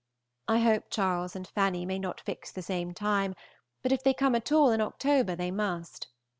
I hope Charles and Fanny may not fix the same time, but if they come at all in October they must.